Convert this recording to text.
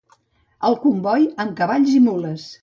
El comboi amb cavalls i mules.